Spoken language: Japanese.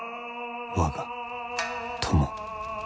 我が友。